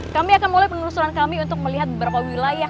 kami akan mulai penelusuran kami untuk melihat beberapa wilayah